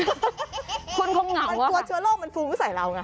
มันกลัวชัวร์โลกมันฟุ้งใส่เราน่ะ